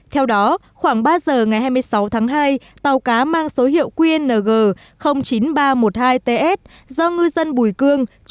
theo đó khoảng ba giờ ngày hai mươi sáu tháng hai tàu cá mang số hiệu qng chín nghìn ba trăm một mươi hai ts do ngư dân bùi cương